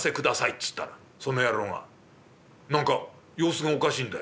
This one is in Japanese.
「つったらその野郎が何か様子がおかしいんだよ。